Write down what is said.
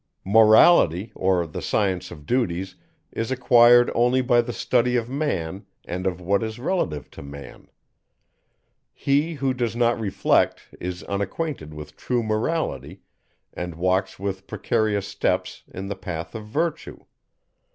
Morality, or the science of duties, is acquired only by the study of Man, and of what is relative to Man. He, who does not reflect, is unacquainted with true Morality, and walks with precarious steps, in the path of virtue.